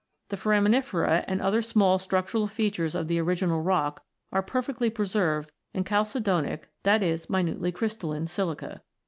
The foraminifera and other small structural features of the original rock are perfectly preserved in chalcedonic (that is, minutely crystalline) silica.